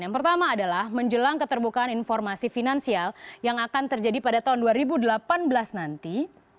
yang pertama adalah menjelang keterbukaan informasi finansial yang akan terjadi pada tahun dua ribu delapan belas nanti